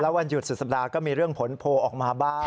วันหยุดสุดสัปดาห์ก็มีเรื่องผลโพลออกมาบ้าง